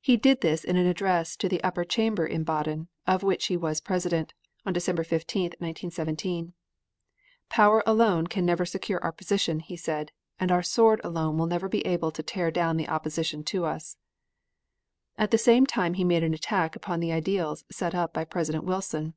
He did this in an address to the Upper Chamber in Baden, of which he was President, on December 15, 1917. "Power alone can never secure our position," he said, "and our sword alone will never be able to tear down the opposition to us." At the same time he made an attack upon the ideals set up by President Wilson.